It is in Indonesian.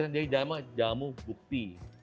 jadi jamu bukti